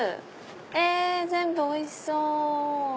え全部おいしそう！